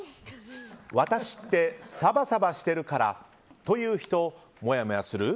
私ってサバサバしてるからと言う人もやもやする？